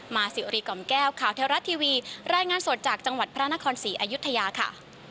สิวรีกล่อมแก้วข่าวเทวรัฐทีวีรายงานสดจากจังหวัดพระนครศรีอายุทยาค่ะ